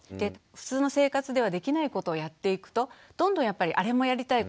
普通の生活ではできないことをやっていくとどんどんやっぱりあれもやりたい